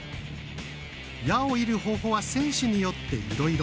矢を射る方法は選手によっていろいろ。